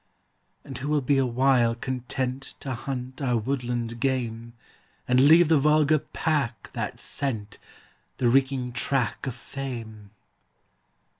And who will be awhile content To hunt our woodland game, And leave the vulgar pack that scent The reeking track of fame?